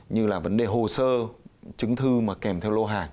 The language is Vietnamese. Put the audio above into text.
như là vấn đề hồ sơ chứng thư mà kèm theo lô hàng